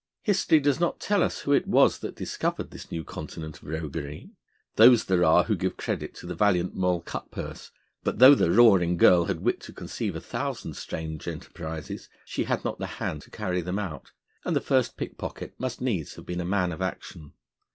History does not tell us who it was that discovered this new continent of roguery. Those there are who give the credit to the valiant Moll Cutpurse; but though the Roaring Girl had wit to conceive a thousand strange enterprises, she had not the hand to carry them out, and the first pickpocket must needs have been a man of action.